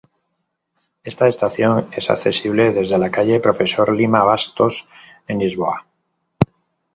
Esta estación es accesible desde la calle Profesor Lima Bastos, en Lisboa.